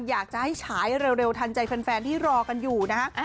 อยากจะให้ฉายเร็วทันใจแฟนที่รอกันอยู่นะฮะ